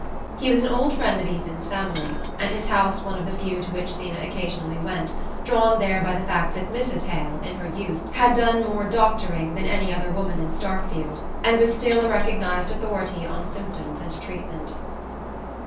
He was an old friend of Ethan's family, and his house one of the few to which Zeena occasionally went, drawn there by the fact that Mrs. Hale, in her youth, had done more "doctoring" than any other woman in Starkfield, and was still a recognised authority on symptoms and treatment.